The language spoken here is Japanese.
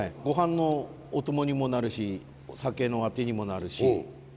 御飯のお供にもなるしお酒のアテにもなるし。